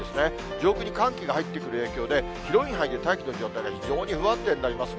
上空に寒気が入ってくる影響で、広い範囲で大気の状態が非常に不安定になります。